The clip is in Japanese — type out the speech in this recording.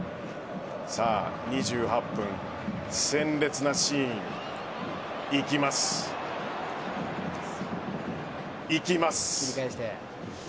２８分、鮮烈なシーンいきますいきます